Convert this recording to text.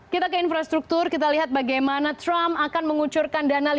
kita ke infrastruktur kita lihat bagaimana trump akan menguncurkan dana lima ratus juta dolar